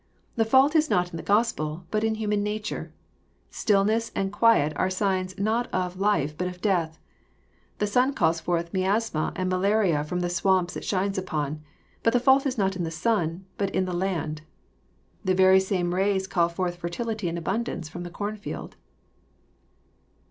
The fault is not in the Gospel bat in human nature. Stillness and quiet are signs not of nfe but of death. The sun calls forth miasma and malaria from the swamps it shines upon ; but the fault is not in the sun, but in the land. The very same rays call forth fertility and abundance from the cornfield.